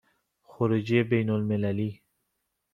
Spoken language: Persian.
خروجی بین المللی